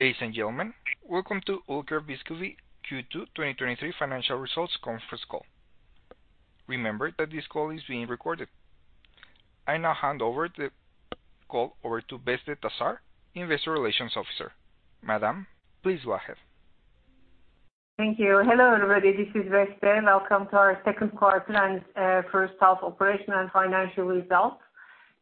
Ladies and gentlemen, welcome to Ülker Bisküvi Q2 2023 financial results conference call. Remember that this call is being recorded. I now hand over the call over to Beste Taşar, Investor Relations Officer. Madam, please go ahead. Thank you. Hello, everybody, this is Beste. Welcome to our second quarter and first half operational and financial results.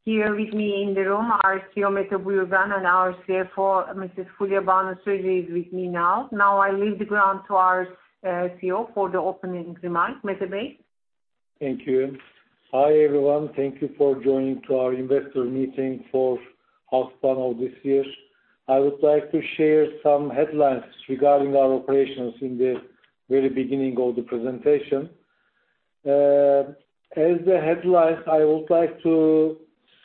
Here with me in the room, our CEO, Mete Buyurgan, and our CFO, Mrs. Fulya Banu Sürücü, is with me now. Now I leave the ground to our CEO for the opening remarks. Mete Bey? Thank you. Hi, everyone. Thank you for joining to our investor meeting for half one of this year. I would like to share some headlines regarding our operations in the very beginning of the presentation. As the headlines, I would like to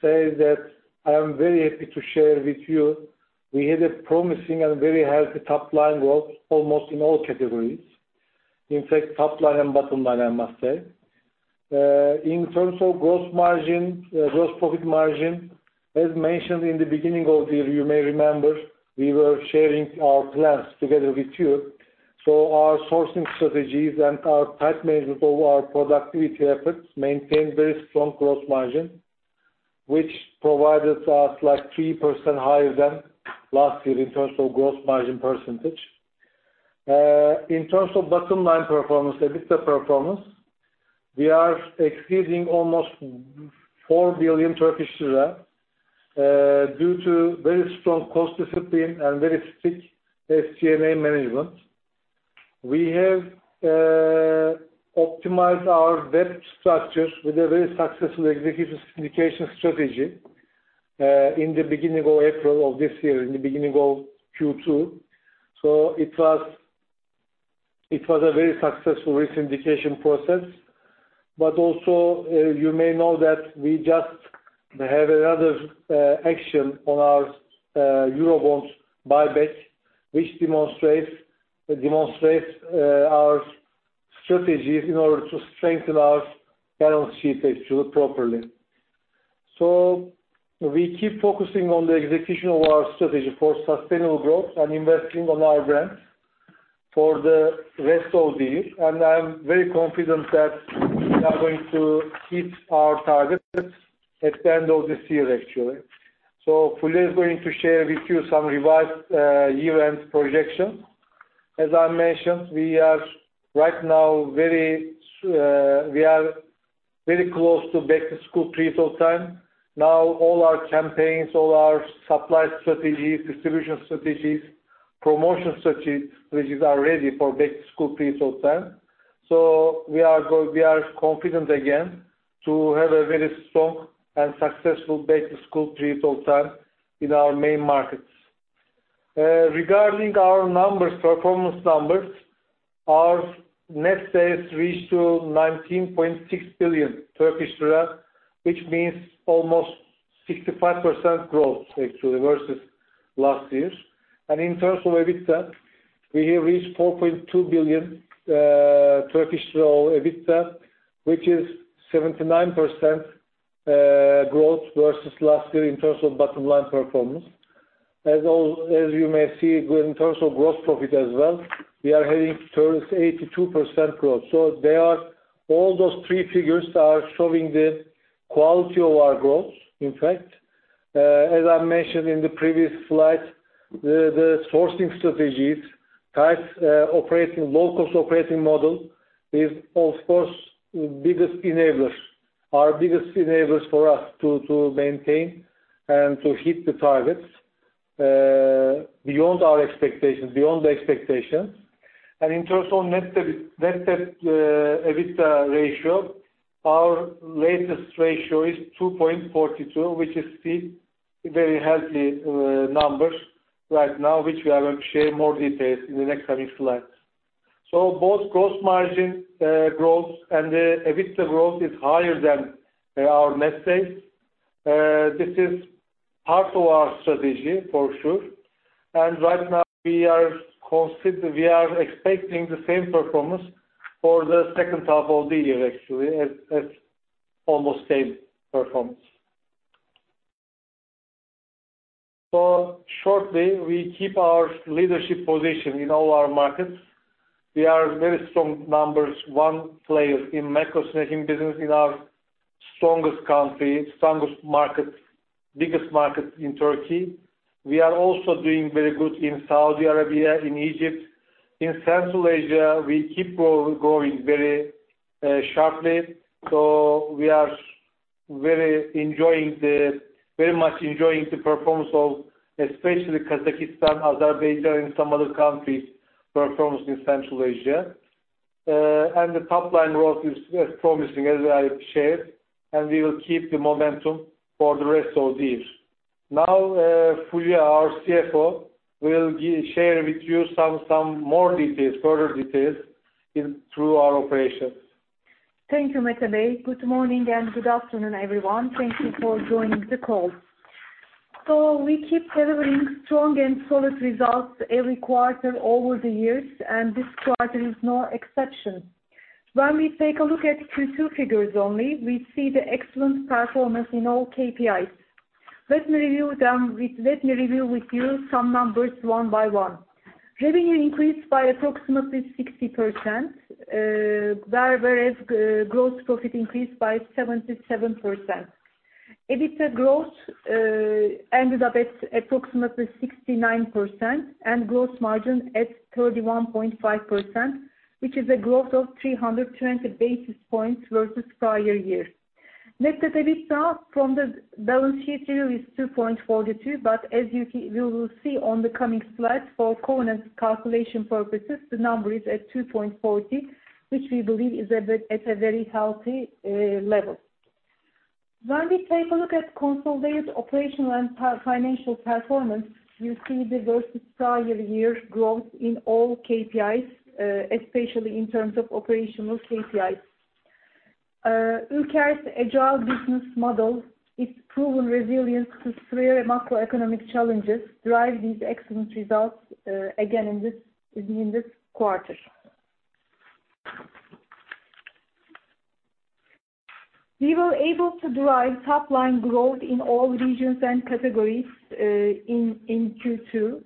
say that I am very happy to share with you, we had a promising and very healthy top line growth almost in all categories. In fact, top line and bottom line, I must say. In terms of gross profit margin, as mentioned in the beginning of the year, you may remember, we were sharing our plans together with you. Our sourcing strategies and our tight management of our productivity efforts maintained very strong gross margin, which provided us like 3% higher than last year in terms of gross margin percentage. In terms of bottom line performance, EBITDA performance, we are exceeding almost 4 billion Turkish lira due to very strong cost discipline and very strict SCMA management. We have optimized our debt structure with a very successful execution syndication strategy in the beginning of April of this year, in the beginning of Q2. It was a very successful re-syndication process. Also, you may know that we just have another action on our Eurobonds buyback, which demonstrates our strategies in order to strengthen our balance sheet actually, properly. We keep focusing on the execution of our strategy for sustainable growth and investing on our brands for the rest of the year. I'm very confident that we are going to hit our targets at the end of this year, actually. Fulya is going to share with you some revised year-end projections. As I mentioned, we are very close to back-to-school pre-sale time. Now all our campaigns, all our supply strategies, distribution strategies, promotion strategies are ready for back-to-school pre-sale time. We are confident again to have a very strong and successful back-to-school pre-sale time in our main markets. Regarding our performance numbers, our net sales reached to 19.6 billion Turkish lira, which means almost 65% growth, actually, versus last year. In terms of EBITDA, we have reached 4.2 billion EBITDA, which is 79% growth versus last year in terms of bottom line performance. As you may see, in terms of gross profit as well, we are heading towards 82% growth. All those three figures are showing the quality of our growth, in fact. As I mentioned in the previous slide, the sourcing strategies, tight low-cost operating model is of course our biggest enablers for us to maintain and to hit the targets beyond our expectations, beyond the expectations. In terms of net debt EBITDA ratio, our latest ratio is 2.42, which is still very healthy numbers right now, which we are going to share more details in the next coming slides. Both gross margin growth and the EBITDA growth is higher than our net sales. This is part of our strategy for sure. Right now we are expecting the same performance for the second half of the year, actually, as almost same performance. Shortly, we keep our leadership position in all our markets. We are very strong numbers, one player in wafer snacking business in our strongest country, strongest market, biggest market in Turkey. We are also doing very good in Saudi Arabia, in Egypt. In Central Asia, we keep growing very sharply. We are very much enjoying the performance of especially Kazakhstan, Azerbaijan, and some other countries' performance in Central Asia. The top line growth is promising, as I shared, and we will keep the momentum for the rest of the year. Now, Fulya, our CFO, will share with you some more details, further details through our operations. Thank you, Mete Bey. Good morning and good afternoon, everyone. Thank you for joining the call. We keep delivering strong and solid results every quarter over the years, and this quarter is no exception. When we take a look at Q2 figures only, we see the excellent performance in all KPIs. Let me review with you some numbers one by one. Revenue increased by approximately 60%, whereas gross profit increased by 77%. EBITDA growth ended up at approximately 69% and gross margin at 31.5%, which is a growth of 320 basis points versus prior year. Net-to-EBITDA from the balance sheet here is 2.42, but as you will see on the coming slides for covenants calculation purposes, the number is at 2.40, which we believe is at a very healthy level. When we take a look at consolidated operational and financial performance, you see the versus prior year growth in all KPIs, especially in terms of operational KPIs. Ülker's agile business model, its proven resilience to severe macroeconomic challenges drive these excellent results again in this quarter. We were able to drive top-line growth in all regions and categories in Q2.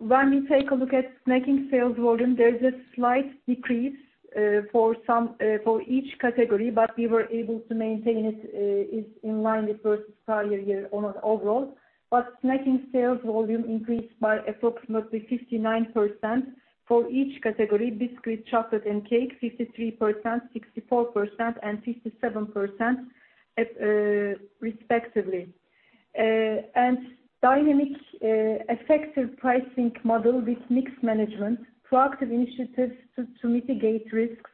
When we take a look at snacking sales volume, there is a slight decrease for each category. We were able to maintain it is in line versus prior year on overall. Snacking sales volume increased by approximately 59% for each category, biscuits, chocolate, and cake, 53%, 64%, and 57% respectively. Dynamic effective pricing model with mix management, proactive initiatives to mitigate risks,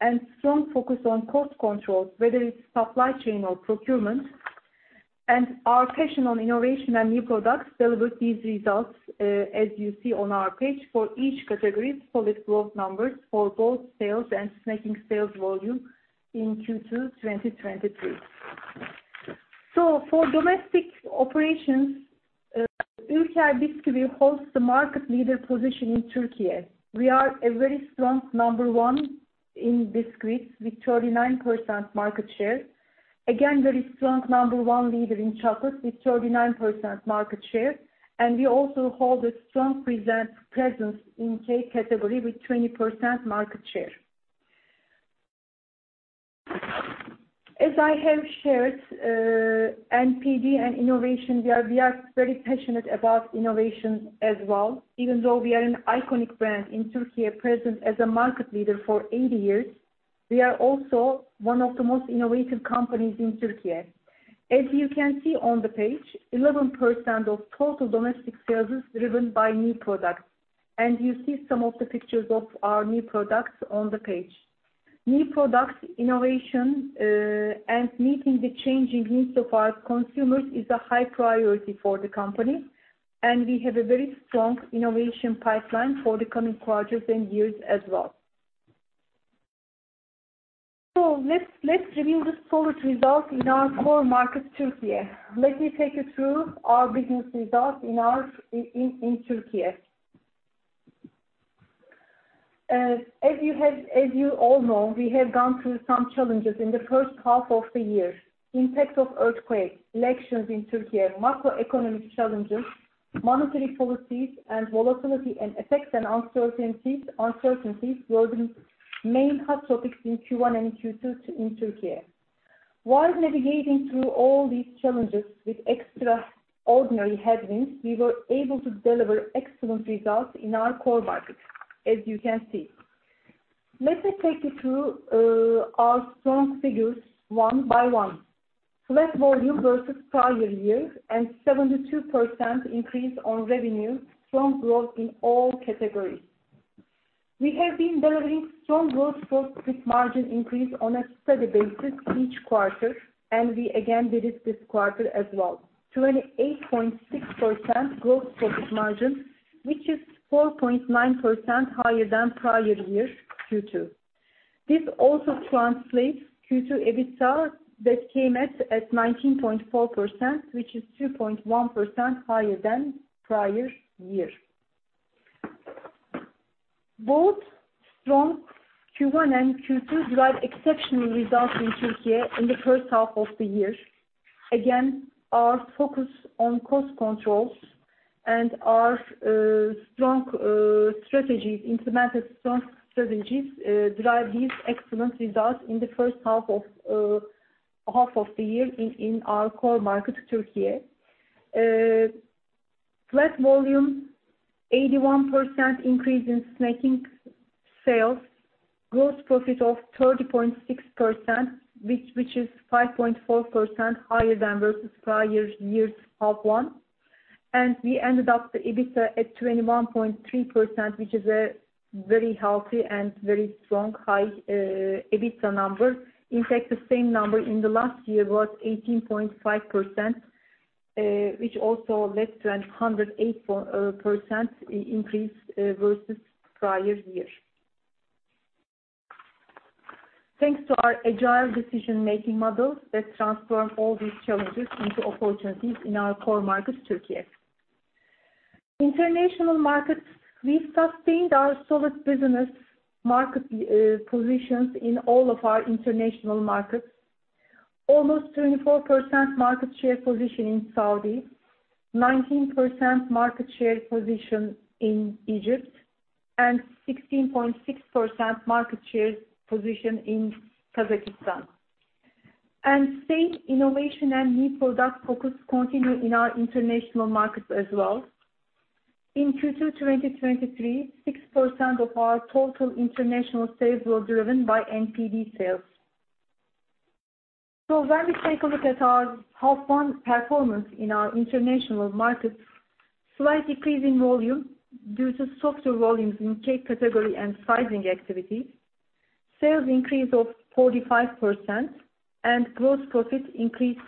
and strong focus on cost control, whether it's supply chain or procurement, and our passion on innovation and new products delivered these results, as you see on our page, for each category, solid growth numbers for both sales and snacking sales volume in Q2 2023. For domestic operations, Ülker Bisküvi holds the market leader position in Turkey. We are a very strong number one in biscuits with 39% market share. Again, very strong number one leader in chocolate with 39% market share. We also hold a strong presence in cake category with 20% market share. As I have shared, NPD and innovation, we are very passionate about innovation as well. Even though we are an iconic brand in Turkey, present as a market leader for 80 years, we are also one of the most innovative companies in Turkey. As you can see on the page, 11% of total domestic sales is driven by new products. You see some of the pictures of our new products on the page. New products, innovation, and meeting the changing needs of our consumers is a high priority for the company, and we have a very strong innovation pipeline for the coming quarters and years as well. Let's review the solid results in our core market, Turkey. Let me take you through our business results in Turkey. As you all know, we have gone through some challenges in the first half of the year. Impact of earthquakes, elections in Turkey, macroeconomic challenges, monetary policies, and volatility, and effects and uncertainties were the main hot topics in Q1 and Q2 in Turkey. While navigating through all these challenges with extraordinary headwinds, we were able to deliver excellent results in our core markets, as you can see. Let me take you through our strong figures one by one. Flat volume versus prior year and 72% increase on revenue, strong growth in all categories. We have been delivering strong growth for gross margin increase on a steady basis each quarter, and we again did it this quarter as well. 28.6% gross profit margin, which is 4.9% higher than prior year Q2. This also translates Q2 EBITDA that came at 19.4%, which is 2.1% higher than prior year. Both strong Q1 and Q2 drive exceptional results in Turkey in the first half of the year. Again, our focus on cost controls and our strong strategies drive these excellent results in the first half of the year in our core market, Turkey. Flat volume, 81% increase in snacking sales, gross profit of 30.6%, which is 5.4% higher than versus prior year's half one. We ended up the EBITDA at 21.3%, which is a very healthy and very strong high EBITDA number. In fact, the same number in the last year was 18.5%, which also led to 108% increase versus prior year. Thanks to our agile decision-making model that transformed all these challenges into opportunities in our core market, Türkiye. International markets, we've sustained our solid business market positions in all of our international markets. Almost 24% market share position in Saudi, 19% market share position in Egypt, and 16.6% market share position in Kazakhstan. Same innovation and new product focus continue in our international markets as well. In Q2 2023, 6% of our total international sales were driven by NPD sales. When we take a look at our half one performance in our international markets, slight decrease in volume due to softer volumes in cake category and sizing activities. Sales increase of 45% and gross profit increased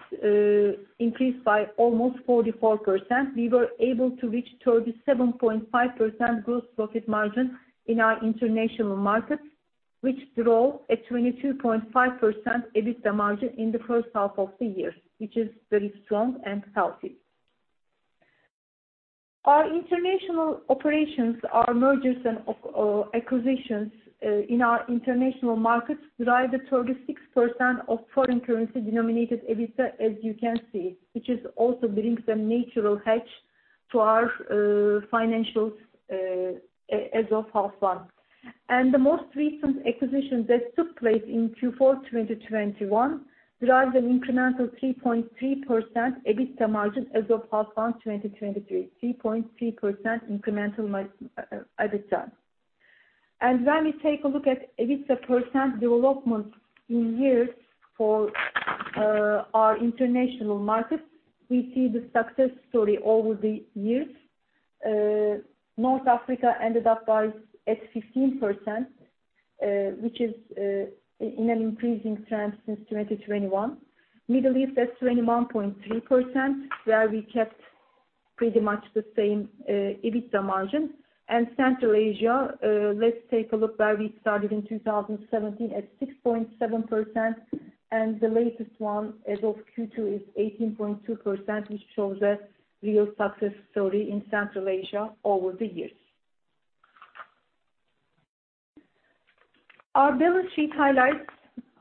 by almost 44%. We were able to reach 37.5% gross profit margin in our international markets, which drove a 22.5% EBITDA margin in the first half of the year, which is very strong and healthy. Our international operations, our mergers and acquisitions in our international markets drive the 36% of foreign currency denominated EBITDA, as you can see, which also brings a natural hedge to our financials as of half one. The most recent acquisition that took place in Q4 2021 drives an incremental 3.3% EBITDA margin as of half one 2023, 3.3% incremental EBITDA. When we take a look at EBITDA percent development in years for our international markets, we see the success story over the years. North Africa ended up at 15%, which is in an increasing trend since 2021. Middle East at 21.3%, where we kept pretty much the same EBITDA margin. Central Asia, let's take a look where we started in 2017 at 6.7%, and the latest one as of Q2 is 18.2%, which shows a real success story in Central Asia over the years. Our balance sheet highlights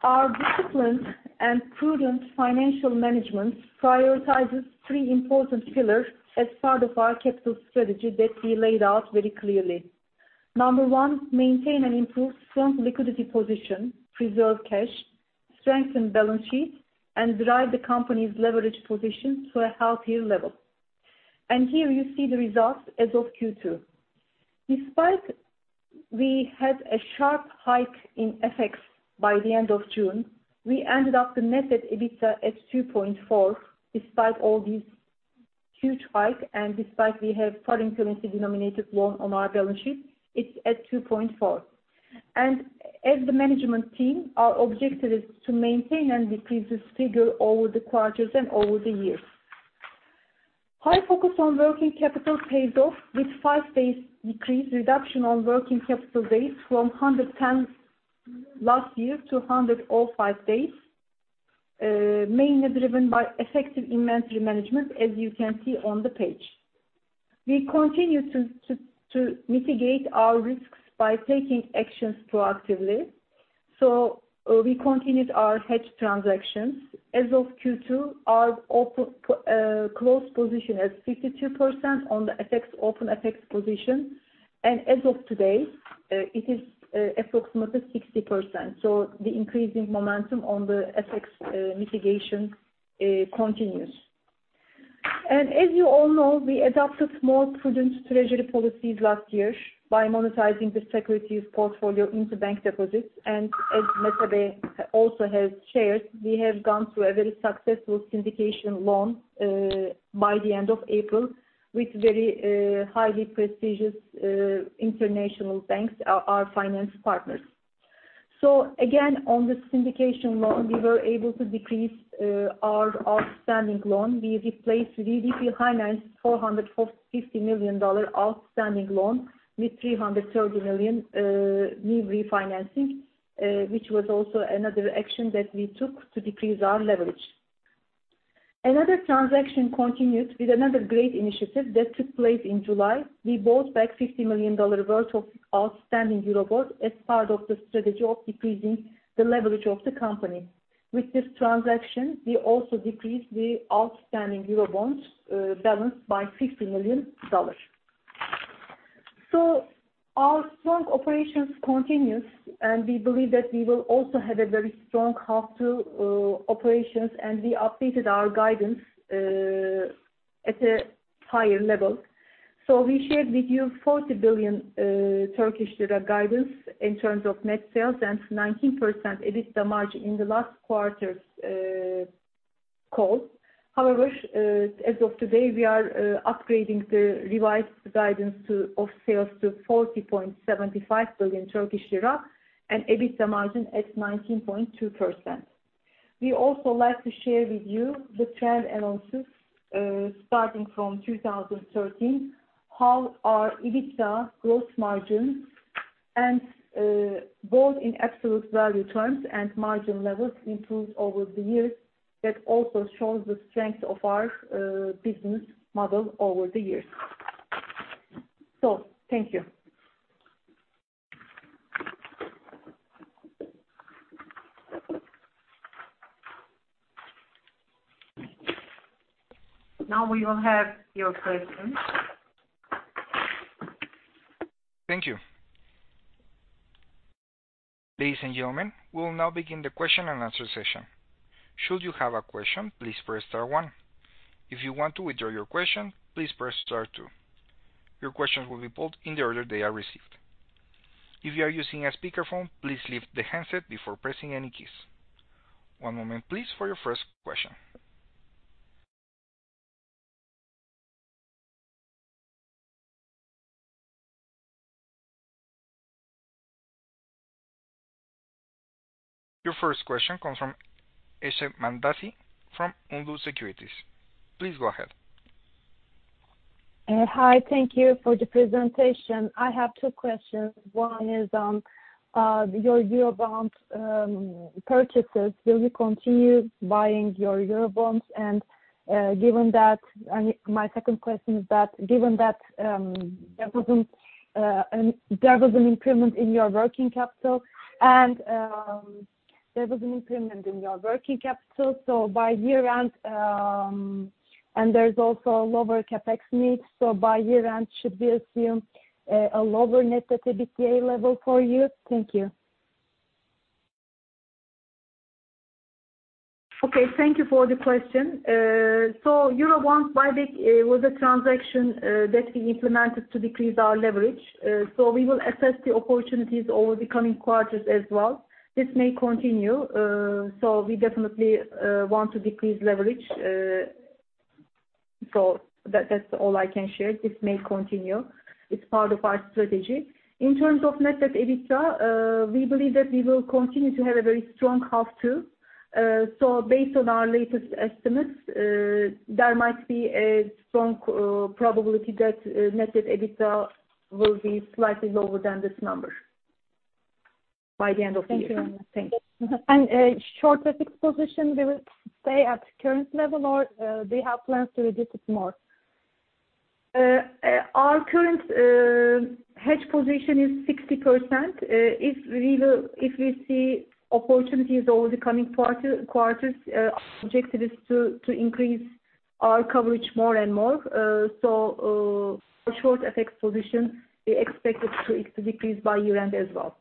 our disciplined and prudent financial management prioritizes three important pillars as part of our capital strategy that we laid out very clearly. Number one, maintain and improve strong liquidity position, preserve cash, strengthen balance sheet, and drive the company's leverage position to a healthier level. Here you see the results as of Q2. Despite we had a sharp hike in FX by the end of June, we ended up the net at EBITDA at 2.4 despite all these huge hike, and despite we have foreign currency denominated loan on our balance sheet, it's at 2.4. As the management team, our objective is to maintain and decrease this figure over the quarters and over the years. High focus on working capital paid off with 5 days decrease reduction on working capital days from 110 last year to 105 days. Mainly driven by effective inventory management, as you can see on the page. We continue to mitigate our risks by taking actions proactively. We continued our hedge transactions. As of Q2, our close position at 52% on the open FX position. As of today, it is approximately 60%. The increasing momentum on the FX mitigation continues. As you all know, we adopted more prudent treasury policies last year by monetizing the securities portfolio into bank deposits. As Mete Bey also has shared, we have gone through a very successful syndication loan by the end of April with very highly prestigious international banks, our finance partners. Again, on the syndication loan, we were able to decrease our outstanding loan. We replaced Yatırım Finansman $450 million outstanding loan with $330 million new refinancing, which was also another action that we took to decrease our leverage. Another transaction continued with another great initiative that took place in July. We bought back $50 million worth of outstanding eurobond as part of the strategy of decreasing the leverage of the company. With this transaction, we also decreased the outstanding eurobonds balance by $50 million. Our strong operations continues, and we believe that we will also have a very strong half two operations, and we updated our guidance at a higher level. We shared with you 40 billion Turkish lira guidance in terms of net sales and 19% EBITDA margin in the last quarter's call. However, as of today, we are upgrading the revised guidance of sales to 40.75 billion Turkish lira and EBITDA margin at 19.2%. We also like to share with you the trend analysis, starting from 2013, how our EBITDA growth margin, both in absolute value terms and margin levels, improved over the years. That also shows the strength of our business model over the years. Thank you. Now we will have your questions. Thank you. Ladies and gentlemen, we will now begin the question and answer session. Should you have a question, please press star one. If you want to withdraw your question, please press star two. Your questions will be put in the order they are received. If you are using a speakerphone, please lift the handset before pressing any keys. One moment, please, for your first question. Your first question comes from Ecem Andas from Ünlü Securities. Please go ahead. Hi. Thank you for the presentation. I have two questions. One is on your Eurobond purchases. Will you continue buying your Eurobonds? My second question is that, given that there was an improvement in your working capital, and there's also a lower CapEx need, by year-end, should we assume a lower net EBITDA level for you? Thank you. Okay. Thank you for the question. Eurobonds was a transaction that we implemented to decrease our leverage. We will assess the opportunities over the coming quarters as well. This may continue. We definitely want to decrease leverage. That's all I can share. This may continue. It's part of our strategy. In terms of net EBITDA, we believe that we will continue to have a very strong half two. Based on our latest estimates, there might be a strong probability that net EBITDA will be slightly lower than this number by the end of the year. Thank you very much. Thanks. Short FX position, they will stay at current level or they have plans to reduce it more? Our current hedge position is 60%. If we see opportunities over the coming quarters, our objective is to increase our coverage more and more. Our short FX position, we expect it to decrease by year-end as well.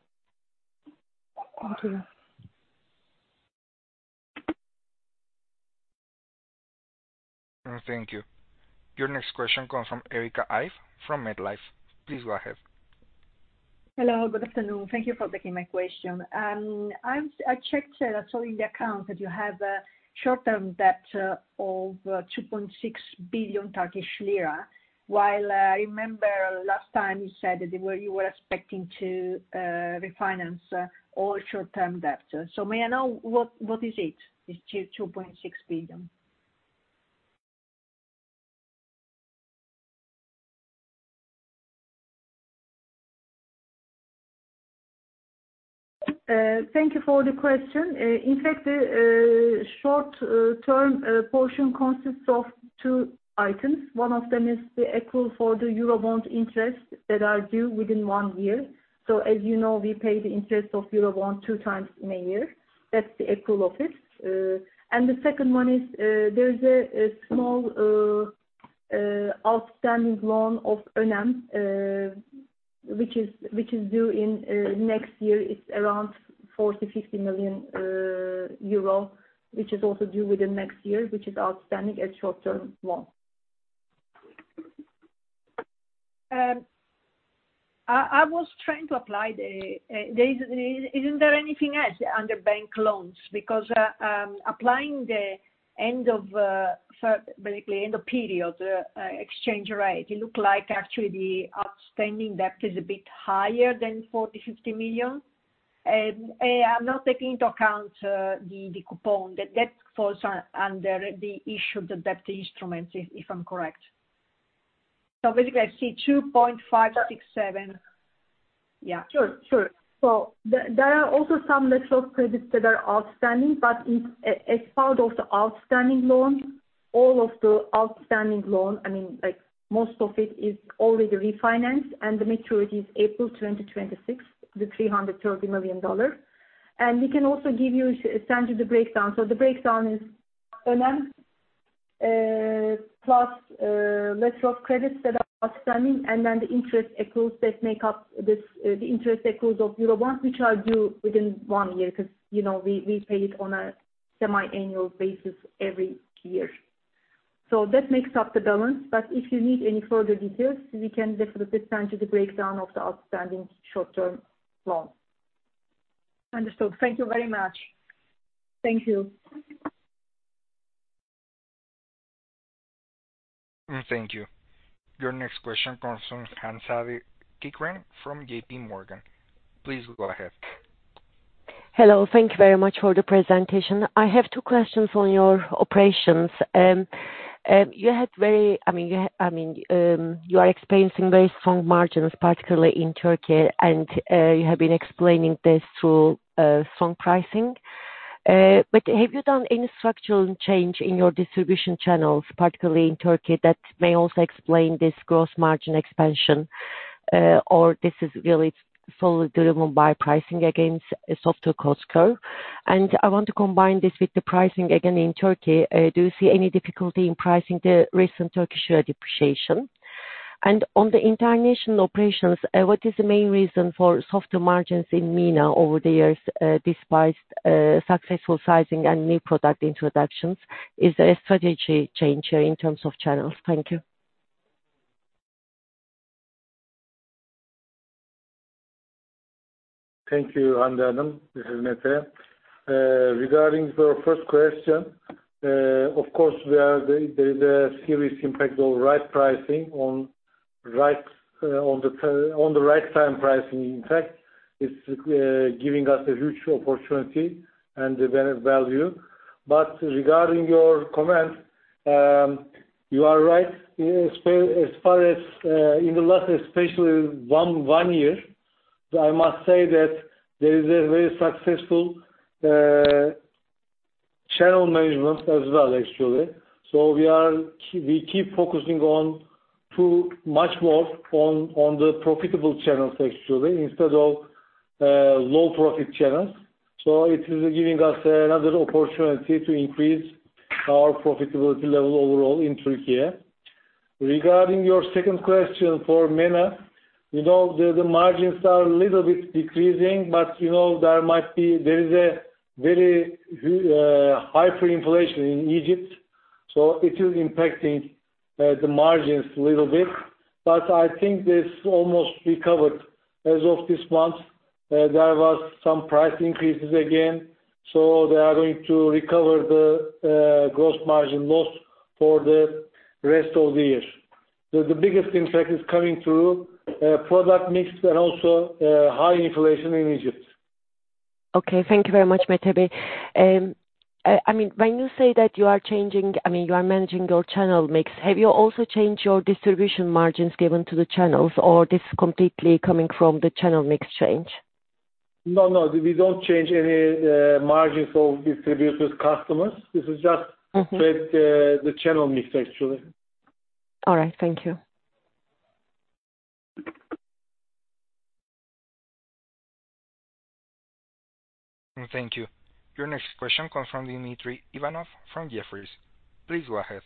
Thank you. Thank you. Your next question comes from Erica Ive from MetLife. Please go ahead. Hello. Good afternoon. Thank you for taking my question. I checked, I saw in the account that you have a short-term debt of 2.6 billion Turkish lira, while I remember last time you said that you were expecting to refinance all short-term debt. May I know what is it? It's 2.6 billion. Thank you for the question. In fact, the short-term portion consists of two items. One of them is the accrual for the Eurobond interest that are due within one year. As you know, we pay the interest of Eurobond two times in a year. That's the accrual of it. The second one is, there is a small outstanding loan of Önem which is due next year. It's around €40, €50 million, which is also due within next year, which is outstanding as short-term loan. Isn't there anything else under bank loans? Because applying the end of period exchange rate, it look like actually the outstanding debt is a bit higher than €40 million, €50 million. I'm not taking into account the coupon. That falls under the issue of the debt instruments, if I'm correct. Basically, I see 2.567. Yeah. Sure. There are also some letter of credits that are outstanding, but as part of the outstanding loan, all of the outstanding loan, most of it is already refinanced, and the maturity is April 2026, the $330 million. We can also send you the breakdown. The breakdown is Önem, plus letter of credits that are outstanding, and then the interest accruals of Eurobonds, which are due within one year, because we pay it on a semi-annual basis every year. That makes up the balance. If you need any further details, we can definitely send you the breakdown of the outstanding short-term loan. Understood. Thank you very much. Thank you. Thank you. Your next question comes from Hande Şabırkıran from J.P. Morgan. Please go ahead. Hello. Thank you very much for the presentation. I have two questions on your operations. You are experiencing very strong margins, particularly in Turkey, and you have been explaining this through strong pricing. Have you done any structural change in your distribution channels, particularly in Turkey, that may also explain this gross margin expansion, or this is really fully driven by pricing against softer COGS? I want to combine this with the pricing again in Turkey, do you see any difficulty in pricing the recent Turkish lira depreciation? On the international operations, what is the main reason for softer margins in MENA over the years, despite successful sizing and new product introductions? Is there a strategy change in terms of channels? Thank you. Thank you, Hande. This is Mete. Regarding your first question, of course, there is a serious impact of right pricing, on the right time pricing. In fact, it's giving us a huge opportunity and value. Regarding your comment, you are right, as far as in the last especially one year, I must say that there is a very successful channel management as well, actually. We keep focusing much more on the profitable channels, actually, instead of low profit channels. It is giving us another opportunity to increase our profitability level overall in Turkey. Regarding your second question for MENA, the margins are a little bit decreasing, but there is a very high free inflation in Egypt, so it is impacting the margins a little bit. I think it's almost recovered. As of this month, there was some price increases again, so they are going to recover the gross margin loss for the rest of the year. The biggest impact is coming through product mix and also high inflation in Egypt. Okay. Thank you very much, Mete. When you say that you are managing your channel mix, have you also changed your distribution margins given to the channels, or this is completely coming from the channel mix change? No, we don't change any margins of distributors, customers. This is just- With the channel mix, actually. All right. Thank you. Thank you. Your next question comes from Dmitry Ivanov from Jefferies. Please go ahead.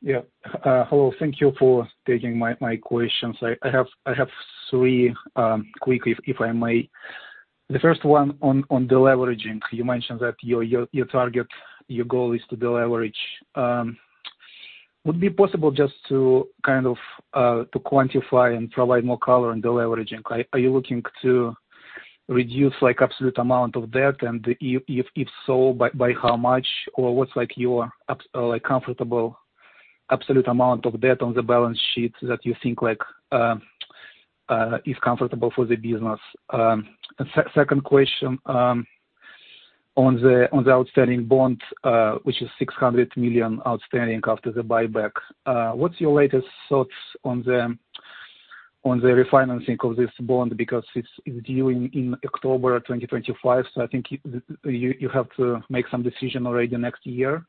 Yeah. Hello. Thank you for taking my questions. I have three quick, if I may. The first one on deleveraging. You mentioned that your target, your goal is to deleverage. Would it be possible just to quantify and provide more color on deleveraging? Are you looking to reduce absolute amount of debt? If so, by how much? Or what's your absolute amount of debt on the balance sheet that you think is comfortable for the business? Second question on the outstanding bond, which is 600 million outstanding after the buyback. What's your latest thoughts on the refinancing of this bond? Because it's due in October 2025, so I think you have to make some decision already next year.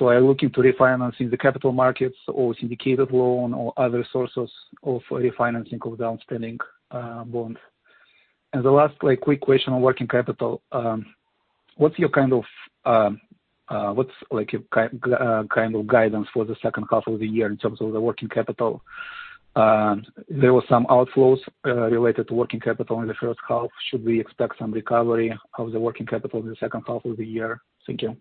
Are you looking to refinancing the capital markets or syndicated loan or other sources of refinancing of the outstanding bond? The last quick question on working capital. What's your kind of guidance for the second half of the year in terms of the working capital? There were some outflows related to working capital in the first half. Should we expect some recovery of the working capital in the second half of the year? Thank you.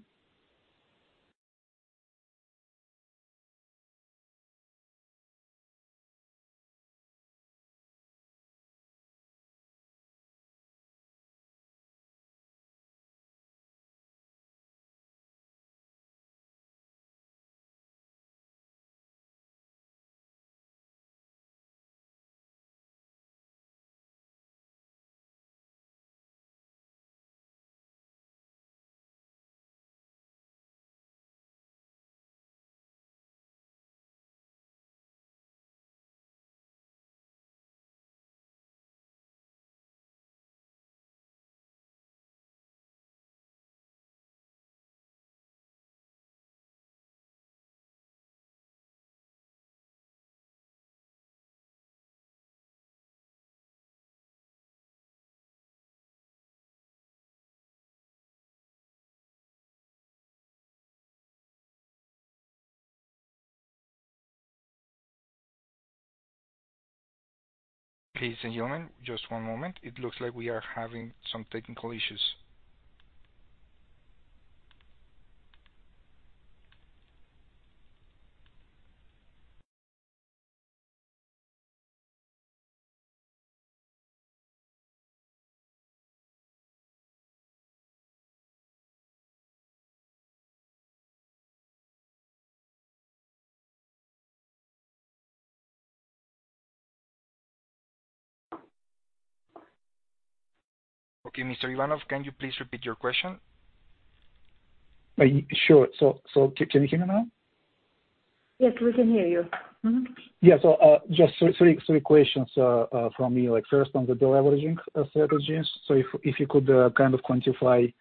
Ladies and gentlemen, just one moment. It looks like we are having some technical issues. Okay, Mr. Ivanov, can you please repeat your question? Sure. Can you hear me now? Yes, we can hear you. Mm-hmm. Just three questions from me. First, on the deleveraging strategies. If you could quantify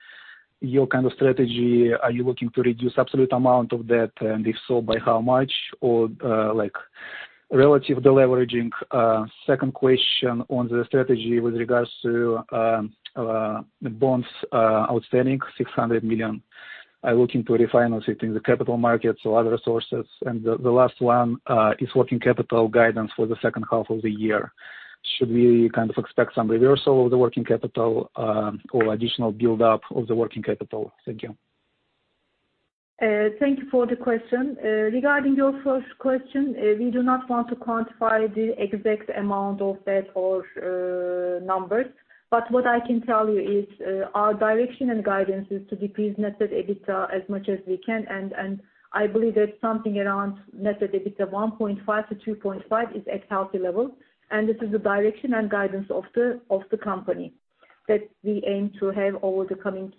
your kind of strategy, are you looking to reduce absolute amount of debt? If so, by how much? Or relative deleveraging. Second question on the strategy with regards to bonds outstanding, 600 million, are you looking to refinance it in the capital markets or other sources? The last one is working capital guidance for the second half of the year. Should we kind of expect some reversal of the working capital, or additional build-up of the working capital? Thank you. Thank you for the question. Regarding your first question, we do not want to quantify the exact amount of debt or numbers. What I can tell you is our direction and guidance is to decrease net debt EBITDA as much as we can. I believe that something around net debt EBITDA 1.5-2.5 is a healthy level. This is the direction and guidance of the company that we aim to have over the coming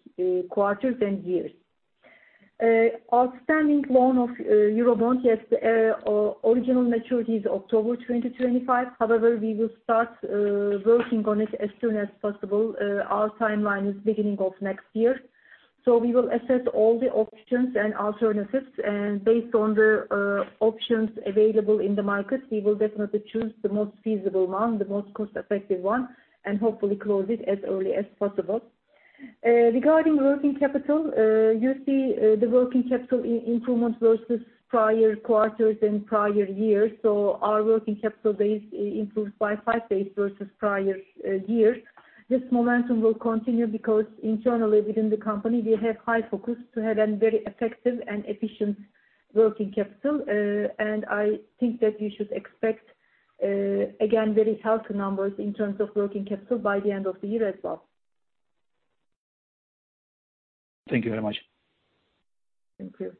quarters and years. Outstanding loan of Eurobond, yes, original maturity is October 2025. However, we will start working on it as soon as possible. Our timeline is beginning of next year. We will assess all the options and alternatives, and based on the options available in the market, we will definitely choose the most feasible one, the most cost-effective one, and hopefully close it as early as possible. Regarding working capital, you see the working capital improvement versus prior quarters and prior years. Our working capital base improved by five days versus prior years. This momentum will continue because internally within the company, we have high focus to have a very effective and efficient working capital. I think that you should expect, again, very healthy numbers in terms of working capital by the end of the year as well. Thank you very much. Thank you.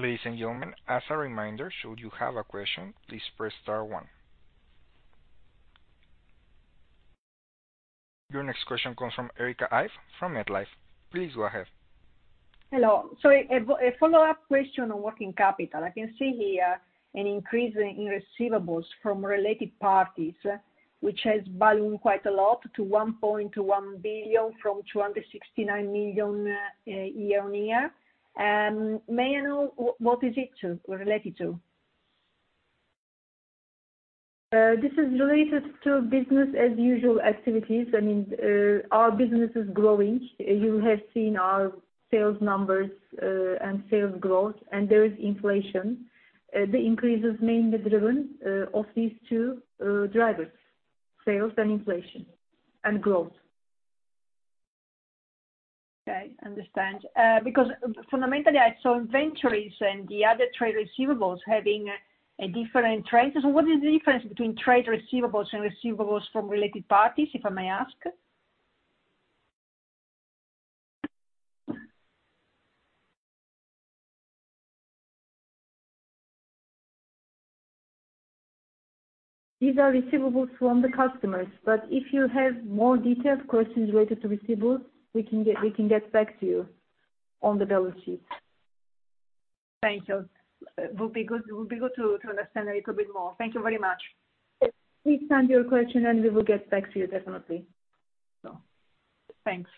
Ladies and gentlemen, as a reminder, should you have a question, please press star one. Your next question comes from Erica Ive from MetLife. Please go ahead. Hello. A follow-up question on working capital. I can see here an increase in receivables from related parties, which has ballooned quite a lot to 1.1 billion from 269 million year-on-year. May I know what is it related to? This is related to business as usual activities. I mean, our business is growing. You have seen our sales numbers, and sales growth, and there is inflation. The increase is mainly driven by these two drivers, sales and inflation and growth. Okay, understand. Fundamentally I saw inventories and the other trade receivables having a different trend. What is the difference between trade receivables and receivables from related parties, if I may ask? These are receivables from the customers, but if you have more detailed questions related to receivables, we can get back to you on the balance sheet. Thank you. It would be good to understand a little bit more. Thank you very much. Please send your question, and we will get back to you definitely. Thanks.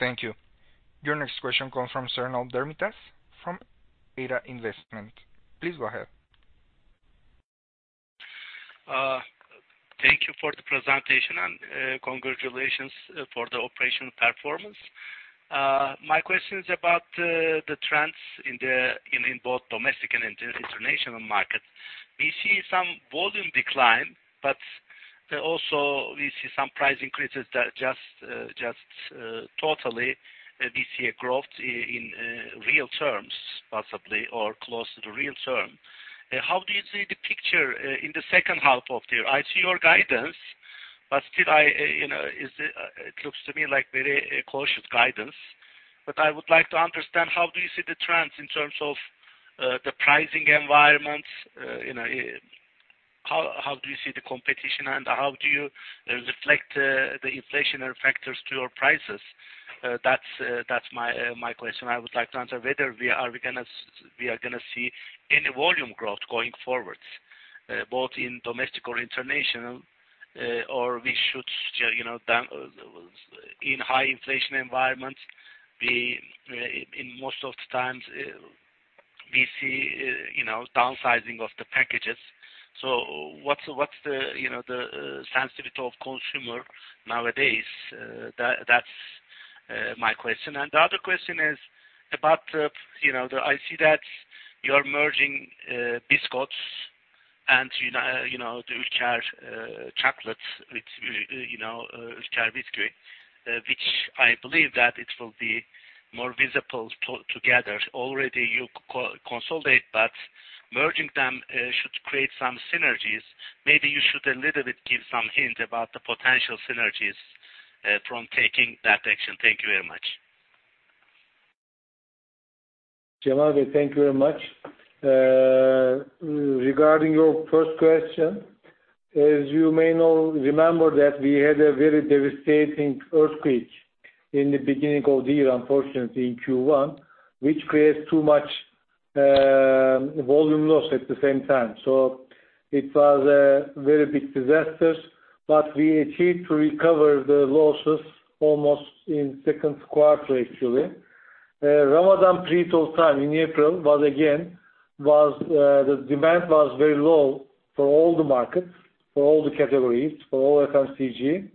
Thank you. Your next question comes from Cemal Demirtaş from ADA Yatırım. Please go ahead. Thank you for the presentation, and congratulations for the operational performance. My question is about the trends in both domestic and international markets. We see some volume decline, but also we see some price increases that just totally we see a growth in real terms, possibly, or close to real term. How do you see the picture in the second half of the year? I see your guidance, but still it looks to me like very cautious guidance. I would like to understand how do you see the trends in terms of the pricing environment? How do you see the competition, and how do you reflect the inflationary factors to your prices? That's my question. I would like to understand whether we are going to see any volume growth going forward, both in domestic or international, or we should, in high inflation environments, in most of the times we see downsizing of the packages. What's the sensitivity of consumer nowadays? That's my question. The other question is about, I see that you're merging biscuits and the Ülker Çikolata with Ülker Bisküvi, which I believe that it will be more visible together. Already you consolidate, but merging them should create some synergies. Maybe you should a little bit give some hint about the potential synergies from taking that action. Thank you very much. Cemal Bey, thank you very much. Regarding your first question, as you may remember that we had a very devastating earthquake in the beginning of the year, unfortunately, in Q1, which created too much volume loss at the same time. It was a very big disaster, but we achieved to recover the losses almost in second quarter, actually. Ramadan period time in April, the demand was very low for all the markets, for all the categories, for all FMCG.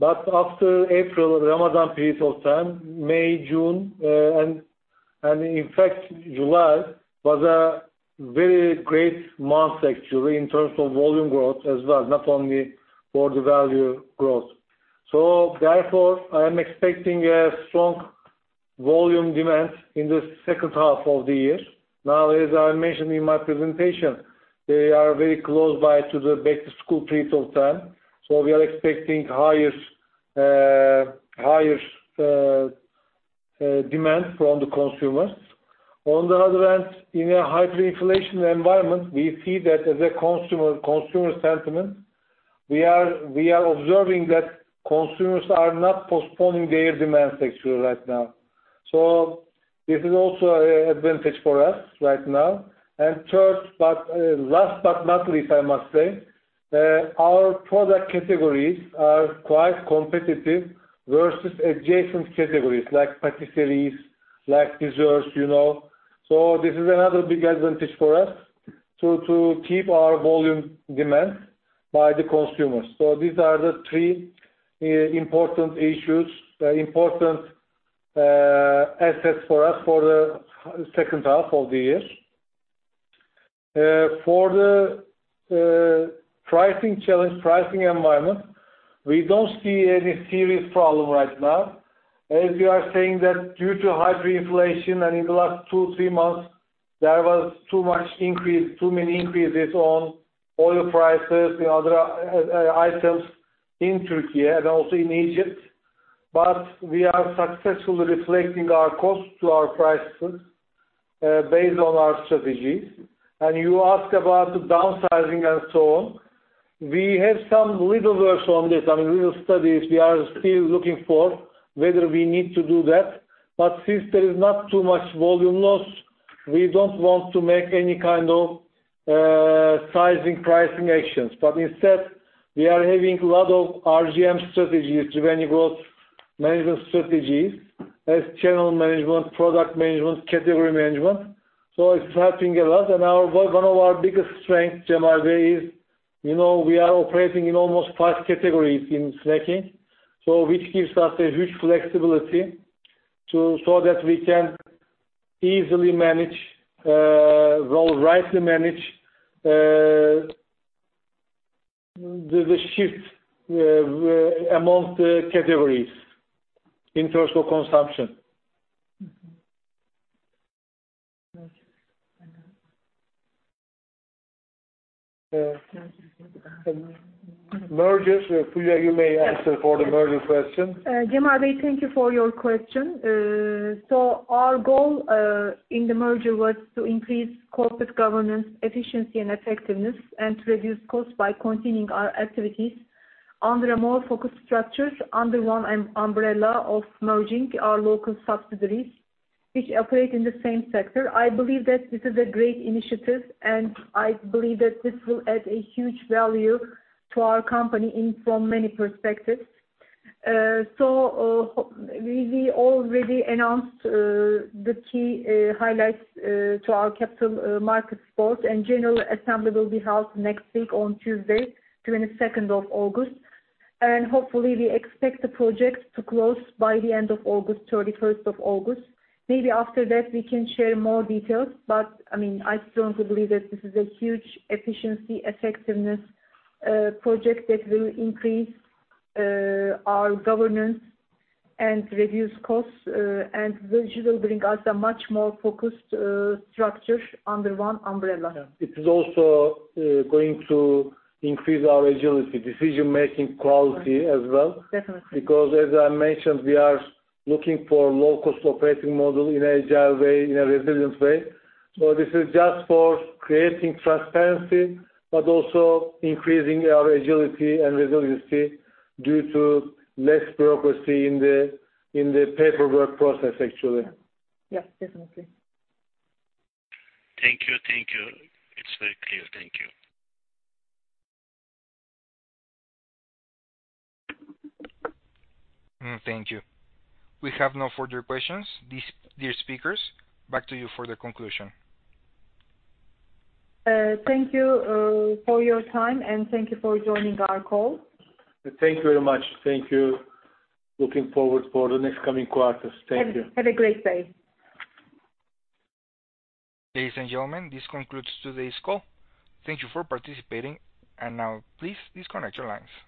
After April, Ramadan period of time, May, June, and in fact July, was a very great month, actually, in terms of volume growth as well, not only for the value growth. Therefore, I am expecting a strong volume demand in the second half of the year. As I mentioned in my presentation, they are very close by to the back-to-school period of time. We are expecting higher demand from the consumers. On the other hand, in a hyperinflation environment, we see that as a consumer sentiment, we are observing that consumers are not postponing their demands actually right now. This is also an advantage for us right now. Last but not least, I must say, our product categories are quite competitive versus adjacent categories like patisseries, like desserts. This is another big advantage for us to keep our volume demand by the consumers. These are the three important assets for us for the second half of the year. For the pricing challenge, pricing environment, we don't see any serious problem right now. As you are saying that due to hyperinflation, and in the last two, three months, there was too many increases on oil prices and other items in Turkey and also in Egypt. We are successfully reflecting our costs to our prices based on our strategies. You ask about the downsizing and so on. We have some little works on this. I mean, little studies. We are still looking for whether we need to do that. Since there is not too much volume loss, we don't want to make any kind of sizing, pricing actions. Instead, we are having a lot of RGM strategies, revenue growth management strategies as channel management, product management, category management. It's helping a lot. One of our biggest strengths, Cemal Bey, is we are operating in almost five categories in snacking. Which gives us a huge flexibility so that we can easily manage, rightly manage the shift amongst the categories in terms of consumption. Mergers. Fulya, you may answer for the merger question. Cemal Bey, thank you for your question. Our goal in the merger was to increase corporate governance efficiency and effectiveness, and to reduce costs by continuing our activities under a more focused structures, under one umbrella of merging our local subsidiaries, which operate in the same sector. I believe that this is a great initiative, and I believe that this will add a huge value to our company from many perspectives. We already announced the key highlights to our capital market support, and general assembly will be held next week on Tuesday, 22nd of August. Hopefully, we expect the project to close by the end of August, 31st of August. Maybe after that, we can share more details. I strongly believe that this is a huge efficiency, effectiveness project that will increase our governance and reduce costs, and which will bring us a much more focused structure under one umbrella. Yeah. It is also going to increase our agility, decision-making quality as well. Definitely. As I mentioned, we are looking for low-cost operating model in an agile way, in a resilient way. This is just for creating transparency, but also increasing our agility and resiliency due to less bureaucracy in the paperwork process, actually. Yes, definitely. Thank you. It's very clear. Thank you. Thank you. We have no further questions. Dear speakers, back to you for the conclusion. Thank you for your time. Thank you for joining our call. Thank you very much. Thank you. Looking forward for the next coming quarters. Thank you. Have a great day. Ladies and gentlemen, this concludes today's call. Thank you for participating, and now please disconnect your lines.